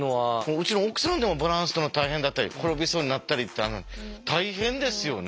うちの奥さんでもバランス取るの大変だったり転びそうになったりってあるのに大変ですよね。